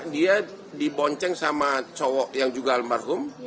dia dibonceng sama cowok yang juga almarhum